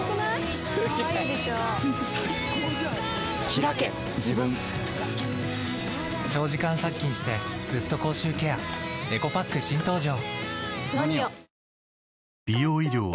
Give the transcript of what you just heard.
ひらけ自分長時間殺菌してずっと口臭ケアエコパック新登場！